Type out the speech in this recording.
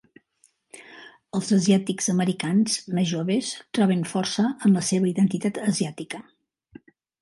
Els asiàtics-americans més joves troben força en la seva identitat asiàtica.